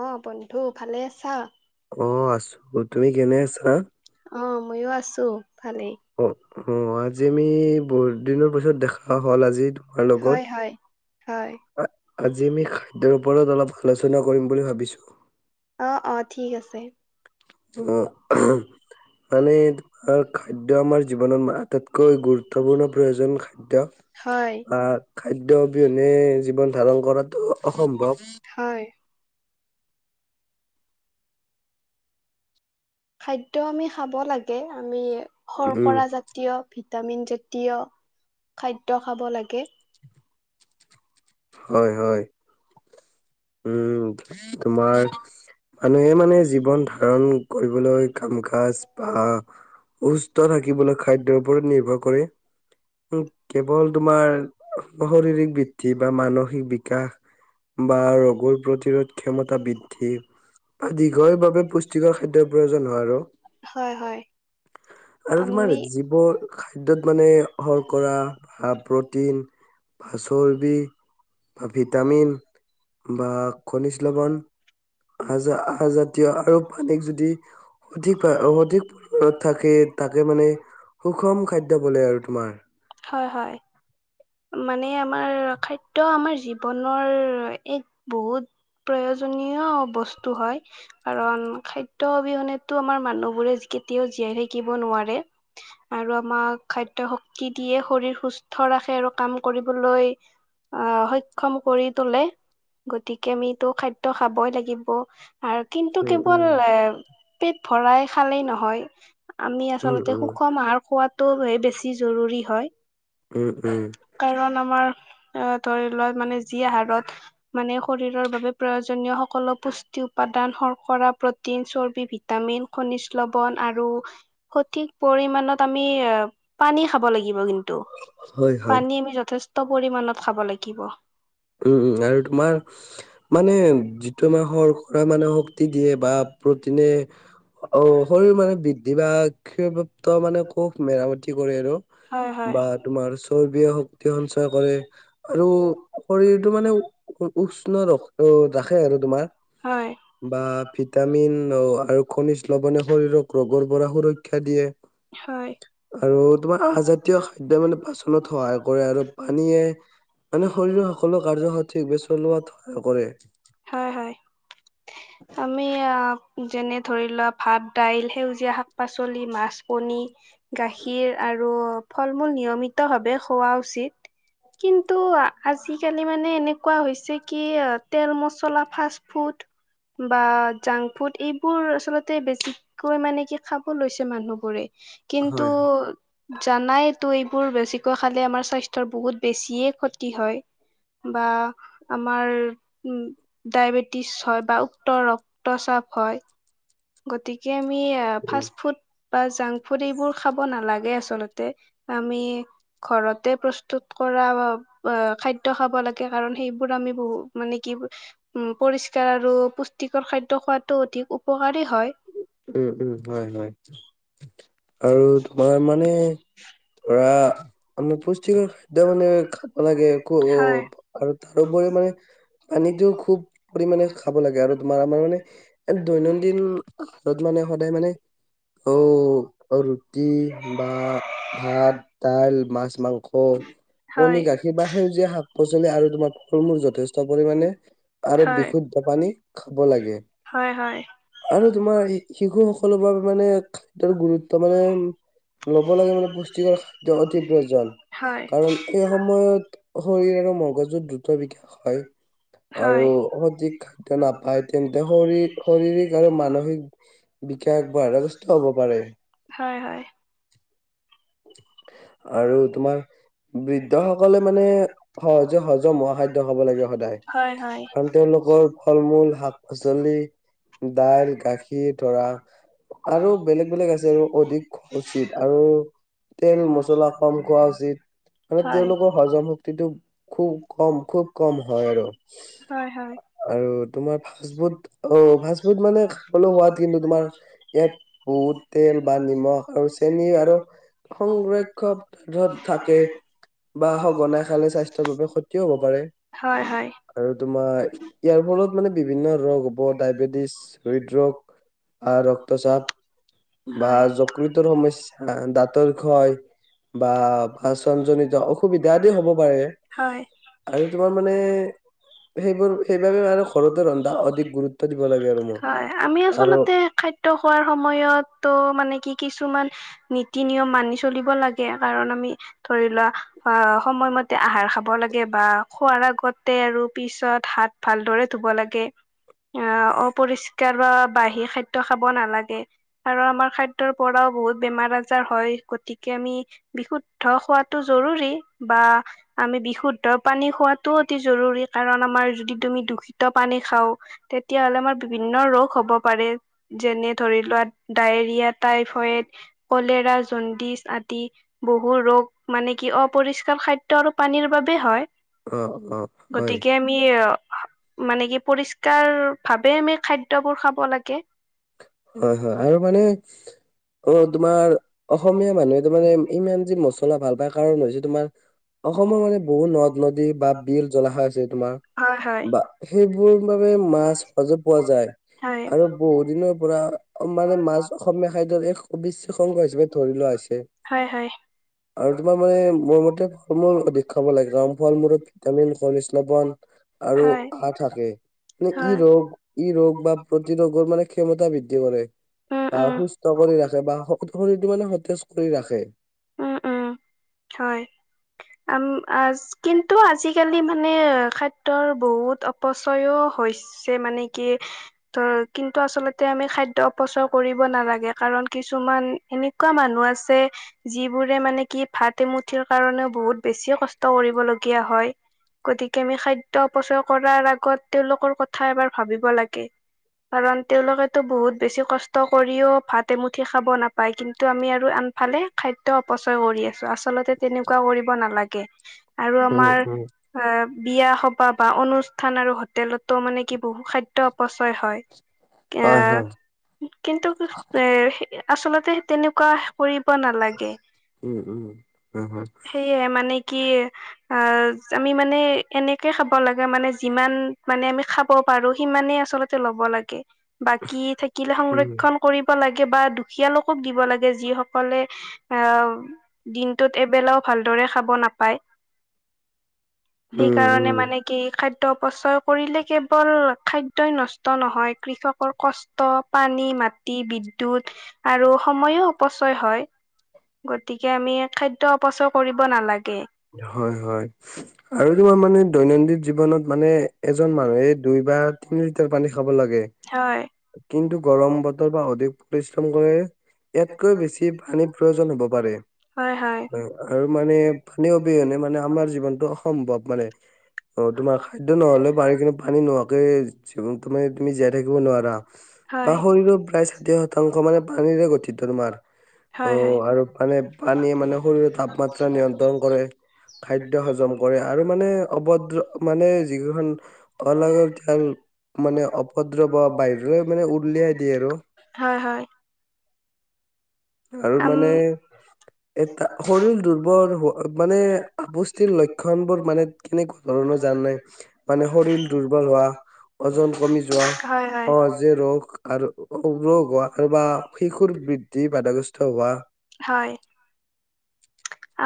অ বন্ধু ভালে আছা? অ তুমি ভালে আছা। অ', মইও আছো ভালেই। অ', অ', আজি আমি বহুত দিনৰ পিছত দেখা হ'ল আজি তোমাৰ হয় লগত। হয় হয়। আজি আমি খাদ্যৰ ওপৰত অলপ আলোচনা কৰিম বুলি ভাবিছোঁ। অ', অ', ঠিক আছে। উম, অহ মানে আৰু খাদ্য আমাৰ জীৱনত আটাইতকৈ গুৰুত্বপূৰ্ণ প্ৰয়োজন খাদ্য। হয় আহ, খাদ্য অবিহনে জীৱন ধাৰণ কৰাটো অসম্ভৱ। হয়। খাদ্যয় আমি খাব লাগে, আমি শৰ উম, কৰা জাতি য় ভিটামিন জাতীয় খাদ্যয় খাব লাগে। হয়, হয়, উম, তোমাৰ মানুহে মানে জীৱন ধাৰণ কৰিবলৈ কাম কাজ বা সুস্থ থাকিবলৈ খাদ্যৰ ওপৰত নিৰ্ভৰ কৰে। উ, কেৱল তোমাৰ শাৰীৰিক বৃদ্ধি বা মানসিক বিকাশ বা [unintelligible] প্ৰতিৰোধ ক্ষমতা বৃদ্ধি আদি দেহৰ বাবে পুষ্টিকৰ খাদ্যৰ প্ৰয়োজন হয়, আৰু হয় হয় আৰু তোমাৰ আমি যিবো ৰ খাদ্য মানে সৰ কৰা প্ৰটিন, ফচল [unintelligible] ভিটামিন বা খনিজ লৱণ। আহ য আহ জাতীয় আৰু পানীক যদি সঠিক সঠিক থাকে তাকে মানে সুষম খাদ্য বোলে আৰু তোমাৰ। হয়, হয়। মানে আমাৰ খাদ্য আমাৰ জীৱনৰ এক বহুত প্ৰয়োজনীয় বস্তু হয়, কাৰণ খাদ্য খাদ্য অবিহনেটো আমাৰ মানুহবোৰে কেতিয়াও জীয়াই থাকিব নোৱাৰে আৰু আমাক খাদ্যয় শক্তি দিয়ে শৰীৰ সুস্থ ৰাখে আৰু কাম কৰিবলৈ আ, সক্ষম কৰি তোলে। গতিকে আমিতো খাদ্য খাবই লাগিব আৰু কিন্তু উম, উম, কেৱল এ পেট ভৰাই খালেই নহয়, আমি উম, আচলতে উম, সুষম আহাৰ খোৱাত টো বেছি জৰুৰী হয়। উম, উম। কাৰণ আমাৰ এ ধৰি লোৱা মানে যি আহাৰত মানে শৰীৰৰ বাবে প্ৰয়োজনীয় সকলো পুষ্টি উপাদান শৰ্কৰা, প্ৰটিন, চৰ্বি, ভিতা ভিটামিন, খনিজ লৱন আৰু সঠিক পৰিমানত আমি পানী খাব লাগিব কিন্তু, হয়, হয়, পানী আমি যথেষ্ট পৰিমাণত খাব লাগিব। উম, উম, আৰু তোমাৰ মানে যিটো আমাৰ শৰ কৰা [unintelligible] শক্তিক দিয়ে বা প্ৰটিনে অ', শৰীৰ মানে বৃদ্ধি বা [unintelligible] মানে কোষ মেৰামতি কৰে আৰু। হয় হয় বা তোমাৰ চৰ্বিয় শক্তি সঞ্চয় কৰে, আৰু শৰীৰটো মানে উ-উষ্ণ ৰাখে আৰু তোমাৰ। হয় বা ভিটামিন অ', আৰু খনিজ ল'বনে শৰীৰক ৰোগৰ পৰা সুৰক্ষা দিয়ে। হয়। আৰু তোমাৰ আজাতীয় খাদ্য মানে পাচনত সহায় কৰে, আৰু পানীয়ে মানে শৰীৰৰ সকলো কাৰ্য সঠিক ভাবে চলোৱাত সহায় কৰে। হয় হয়। আমি আ যেনে ধৰি লোৱা ভাত, দাইল সেউজীয়া শাক শাক-পাচলি, মাছ, কণী, গাখীৰ আৰু ফল-মূল নিয়মিতভাৱে খোৱা উচিত। কিন্তু, আজিকালি মানে এনেকুৱা হৈছে কি তেল-মছলা ফাৰ্ষ্ট ফুড বা জাংক ফুড এইবোৰ আচলতে বেছিকৈ মানে কি খাব লৈছে মানুহবোৰে, কিন্তু হয় জানাইতো এইবোৰ বেছিকৈ খালে, আমাৰ স্বাস্থ্যৰ বহুত বেছিয়ে ক্ষতি হয়। বা আমাৰ উম' ডায়বেটিছ হয়, বা উক্ত ৰক্তচাপ হয়। গতিকে আমি উম। ফাষ্ট-ফুড বা জাংক-ফুড এইবোৰ খাব নালাগে, আচলতে। আমি ঘৰতে প্ৰস্তুত কৰা খাদ্য খাব লাগে। কাৰণ সেইবোৰ আমি বহুত মানে কি উম', পৰিস্কাৰ আৰু পুষ্টিকৰ খাদ্য খোৱাতো অধিক উপকাৰী। হয় উম', উম, হয় হয়। আৰু তোমাৰ মানে ধৰা আমি পুষ্টিকৰ খাদ্য মানে খাব লাগে। হয় আৰু তাৰোপৰিও মানে পানীতোও খুব পৰিমানে খাব লাগে, আৰু তোমাৰ আমাৰ মানে এ দৈনন্দিন য'ত মানে সদায় মানে অ, আৰু ৰুটি বা ভাত, দাইল, মাছ, মাংস। কণী, হয় গাখীৰ বা সেউজীয়া শাক-পাচলি আৰু তোমাৰ ফল-মূল যথেষ্ট পৰিমাণে আৰু হয় বিশুদ্ধ পানী খাব লাগে। হয় হয় আৰু তোমাৰ শিশুসকলৰ বাবে মানে খাদ্যৰ গুৰুত্ব মানে ল'ব লাগে মানে পুষ্টিকৰ খাদ্য অতি প্ৰয়োজন হয়। কাৰণ এই শৰীৰ আৰু মগজুত দ্ৰুত বিকাশ হয়। আৰু হয় সঠিক খাদ্য নাপায় তেন্তে শৰীৰত শাৰীৰিক আৰু মানসিক বিকাশ বা কষ্ট হ'ব পাৰে। হয় হয়। আৰু তোমাৰ বৃদ্ধ সকলে মানে সহজে সহজে মহা খাদ্য খাব লাগে সদায়, হয় হয় কাৰণ তেওঁলোকৰ ফল-মূল, শাক পাচলি দাইল, গাখীৰ ধৰা আৰু বেলেগ-বেলেগ আছে, আৰু অধিক খোৱা উচিত আৰু তেল মচলা কম খোৱা উচিত। অলপ হয় তেওঁলোকৰ হজম শক্তিটো খুব কম, খুব কম হয় আৰু। হয় হয় আৰু তোমাৰ ফাষ্ট ফুড, অ' ফাষ্ট ফুড মানে সোৱাদ কিন্তু, তোমাৰ ইয়াত বহুত তেল বা নিমখ আৰু চেনি আৰু সংৰক্ষণক ধৰ থাকে। বা সঘনাই খালে স্বাস্থ্যৰ বাবে ক্ষতিও হ'ব পাৰে। হয়, হয়। আৰু তোমাৰ ইয়াৰ ফলত মানে বিভিন্ন ৰোগ হ'ব, ডায়বেটিছ, হৃদৰোগ আহ ৰক্তচাপ বা হয় যকৃতৰ সমস্যা, দাঁতৰ [unintelligible] বাচনজনিত অসুবিধা আদি হ'ব পাৰে হয়। হয়, আৰু তোমাৰ মানে সেইবোৰ সেইবাবে আৰু ঘৰতে ৰন্ধা অধিক গুৰুত্ব দিব লাগে আৰু মই আমি আৰু আচলতে খাদ্য [unintelligible] [unintelligible] খাদ্য খোৱাৰ সময়ত ত মানে কি কিছুমান নীতি-নিয়ম মানি চলিব লাগে, কাৰণ আমি ধৰি লোৱা অ, সময়মতে আহাৰ খাব লাগে, বা খোৱাৰ আগতে আৰু পিছত হাত ভালদৰে ধুব লাগে। অ, অপৰিষ্কাৰ বাাহি খাদ্য খাব নালাগে। আৰু আমাৰ খাদ্যৰ পৰাও বহুত বেমাৰ-আজাৰ হয়। গতিকে, আমি বিশুদ্ধ হোৱাতটো জৰুৰী, বা আমি বিশুদ্ধ পানী খোৱাতটো অতি জৰুৰী, কাৰণ আমাৰ যদি তুমি দূষিত পানী খাওঁ তেতিয়া হ'লে আমাৰ বিভিন্ন ৰোগ হ'ব পাৰে, যেনে ধৰি লোৱা ডায়েৰিয়া, টাইফইড, কলেৰা, জণ্ডিছ, আদি। বহু ৰোগ মানে, কি অপৰিষ্কাৰ খাদ্য আৰু পানীৰ বাবে হয়। অ, অ, হয়। গতিকে আমি মানে কি, পৰিস্কাৰ ভাৱে আমি খাদ্যবোৰ খাব লাগে। হয়, হয়। আৰু মানে অ, তোমাৰ অসমীয়া মানুহে মানে, ইমান যে মছলা ভাল পায়, কাৰণ হৈছে তোমাৰ অসমৰ মানে, বহুত নদ-নদী বা বিল জলাশয় আছে, তোমাৰ। হয় হয় বা সেইবোৰ বাবে, মাছ সজো পোৱা যায়, হয় আৰু বহুত দিনৰ পৰা মানে, মাছ অসমীয়া খাদ্যত হে অংগ হিচাপে ধৰি লোৱা হৈছে। হয়, হয়। আৰু তোমাৰ মানে, মোৰ মতে, ফল-মূল অধিক খাব লাগে, গৰম [unintelligible] ভিটামিন খনিজ লৱণ আৰু হয় আ, থাকে। ই হয় ৰোগ, ই ৰোগ বা প্ৰতি ৰোগৰ মানে, ক্ষমতা বৃদ্ধি কৰে। উম বা উম সুস্থ কৰি ৰাখে, বা [inaudible] শৰীৰটো মানে, সতেজ কৰি ৰাখে। উম উম হয়। আম, আজ কিন্তু আজিকালি মানে, খাদ্যৰ বহুত অ, অপচয়ও হৈছে মানে, কি ত, কিন্তু আচলতে, আমি খাদ্য অপচয় কৰিব নালাগে, কাৰণ কিছুমান এনে এনেকুৱা মানুহ আছে, যিবোৰে মানে কি, ভাত এমুঠিৰ কাৰণেও বহুত বেছিই কষ্ট কৰিবলগীয়া হয়। গতিকে, আমি খাদ্য অপচয় কৰাৰ আগত, তেওঁলোকৰ কথা এবাৰ ভাবিব লাগে। কাৰণ, তেওঁলোকেতো বহুত বেছি কষ্ট কৰিও ভাত এমুঠি নাপায়, কিন্তু আমি আৰু আনফালে খাদ্য অপচয় কৰি আছোঁ, আচলতে তেনেকুৱা কৰিব নালাগে, আৰু উম আমাৰ উম অ, বিয়া সবাহ বা অনুষ্ঠান আৰু হোটেলতো মানে কি, বহু খাদ্য অপচয় হয়। হয় এয়া, হয় কিন্তু [unintelligible] আচলতে, তেনেকুৱা কৰিব নালাগে। উম, উম, হয়, হয়। সেয়ে, মানে কি আ, আমি মানে, এনেকে খাব লাগে মানে, যিমান মানে, আমি খাব পাৰোঁ, সিমানে আচলত ল'ব লাগে। বাকী থাকিলে উম সংৰক্ষন কৰিব লাগে, বা দুখীয়া লোকক দিব লাগে, যি সকলে আহ, দিনটোত এবেলাও ভালদৰে খাব নাপায়। উম সেইকাৰণে উম মানে কি খাদ্য অপচয় কৰিলে কেৱল খাদ্যয়েই নষ্ট নহয়, কৃষকৰ কষ্ট কষ্ট পানী, মাটি, বিদ্যুৎ আৰু সময়ো অপচয় হয়। গতিকে আমি খাদ্য অপচয় কৰিব নালাগে। হয়, হয়, আৰু তোমাৰ মানে দৈনন্দিন জীৱনত মানে এজন মানুহে দুই বা তিনি লিটাৰ পানী খাব লাগে। হয়। কিন্তু গৰম বতৰ বা অধিক পৰিশ্ৰম কৰি ইয়াতকৈ বেছি পানীৰ প্ৰয়োজন হ'ব পাৰে, হয় হয় আৰু মানে পানি অবিহনে মানে আমাৰ জীৱনতটো অসম্ভৱ মানে। অ', তোমাৰ খাদ্য নহ'লেও পাৰি, কিন্তু পানী নোহোৱাকে তুমি, তুমি জীয়াই থাকিব নোৱাৰা, বা হয় শৰীৰৰ প্ৰায় সাথী শতাংশ মানে পানীৰে গঠিঠ তোমাৰ। হয় হয় অ', আৰু মানে পানীয়ে মানে শৰীৰৰ তাপমাত্ৰা নিয়ন্ত্ৰণ কৰে। খাদ্য হজম কৰে, আৰু মানে অভদ্ৰ, মানে যিইখন অলাগতিয়াল মানে অভদ্ৰ বা উলিয়াই দিয়ে আৰু। হয়, হয়। আৰু আম মানে এটা, শৰীৰ দুৰ্বল হ, মানে আপুষ্টিৰ লক্ষণ বোৰ মানে কেনেকুৱা ধৰণৰ জানা নে, মানে শৰীৰ দুৰ্বল হোৱা, ওজন কমি যোৱা, হয় হয় অ', [unintelligible] আৰু উগ্ৰ হোৱা, আৰু বা শিশুৰ বৃদ্ধি বাধাগ্ৰস্ত হোৱা। হয়।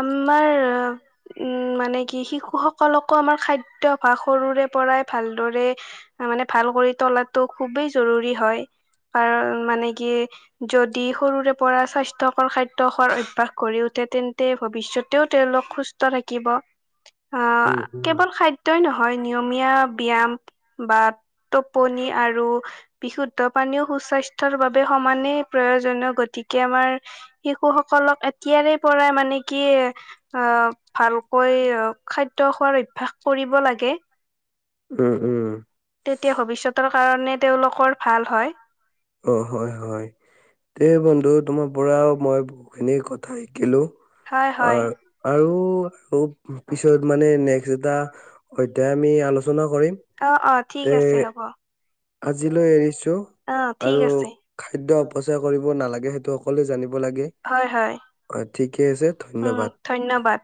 আমাৰ উম মানে কি শিশুসকলকো আমাৰ খাদ্যভাস সৰুৰে পৰাই ভালদৰে তাৰমানে ভাল কৰি তোলাটো খুবেই জৰুৰী হয়, কাৰ মানে কি যদি সৰুৰে পৰা স্বাস্থ্যকৰ খাদ্যয় খোৱাৰ অভ্য়াস কৰী উঠে, তেন্তে ভৱিষ্যত তেওঁ, তেওঁলোক সুস্থ থা কিব, আহ, উম উম কেৱল খাদ্যই নহয়, নীয়মিয়া ব্যয়ায়াম বা টোপনি আৰু বিশুদ্ধ পানীও সুস্বাস্থ্যয়ৰ বাবে সমানেই প্ৰয়োজনীয়, গতিকে আমাৰ শিশু সকলক এতিয়াৰে পৰাই মানে কি আহ [unintelligible] ভালকৈ খাদ্য খোৱাৰ অভ্যাস কৰিব লাগে। উম, উম। তেতিয়া ভৱিষ্যতৰ কাৰণে তেওঁওলোকৰ ভাল হয়। অ', হয়, হয়, দে বন্ধু, তোমাৰ পৰা মই বহুতখিনি কথা শিকিলোঁ। হয় হয় অ', আৰু, আৰু পিছত মানে নেক্সট এটা তেতিয়া আমি আলোচনা কৰিম, অ অ ঠিক এ আছে হ'ব আজিলৈ এৰিছোঁ। অ ঠিক আৰু আছে খাদ্য অপচয় কৰিব নালাগে, সেইটো সকলোৱে জানিব লাগে। হয় হয় অ', ঠিকে আছে, উম ধন্যবাদ। ধন্যবাদ।